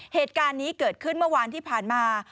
เหตุการณ์นี้เกิดขึ้นเมื่อวานที่ผ่านมา